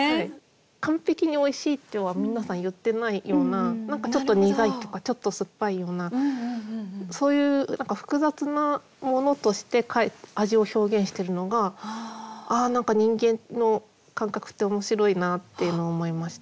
完璧においしいとは皆さん言ってないような何かちょっと苦いとかちょっと酸っぱいようなそういう複雑なものとして味を表現してるのがああ何か人間の感覚って面白いなっていうのを思いました。